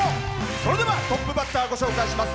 それではトップバッターご紹介します。